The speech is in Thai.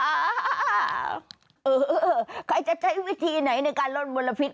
ใครจะใช้วิธีไหนในการลดมลพิษ